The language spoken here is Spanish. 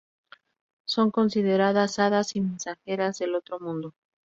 Son consideradas hadas y mensajeras del otro mundo.